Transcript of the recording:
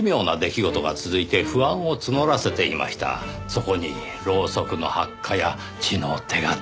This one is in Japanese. そこにろうそくの発火や血の手形。